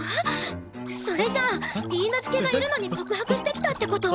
それじゃあ許嫁がいるのに告白してきたって事！？